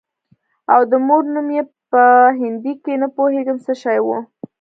او د مور نوم يې په هندي کښې نه پوهېږم څه شى و.